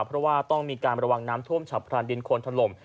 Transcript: เพราะว่าต้องมีการระวังน้ำท่วมฉับพลันดินโคนถล่ม